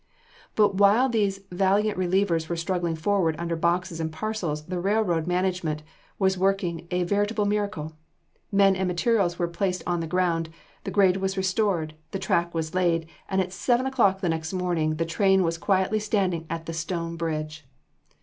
But while these valiant relievers were struggling forward under boxes and parcels, the railroad management was working a veritable miracle. Men and material were placed on the ground, the grade was restored, the track was laid, and at seven o'clock the next morning the train was quietly standing at the Stone Bridge!